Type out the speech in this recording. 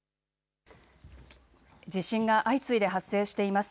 地震が相次いで発生しています。